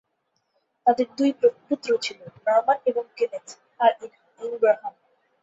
তাদের দুই পুত্র ছিল, নরম্যান এবং কেনেথ কার ইনগ্রাহাম।